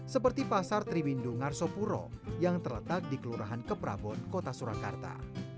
seperti pasar triwindung ngarso puro yang terletak di kelurahan keprabon kota surakarta